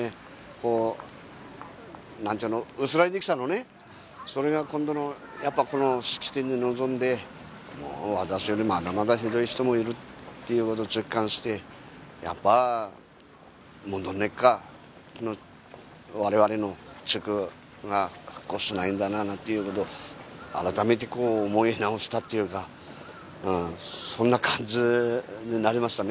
こう何ちゅうの薄らいできたのねそれが今度のやっぱこの式典に臨んでもう私よりまだまだひどい人もいるっていうことを実感してやっぱ戻んねっか我々の地区が復興しないんだななんていうことを改めてこう思い直したっていうかそんな感じになりましたね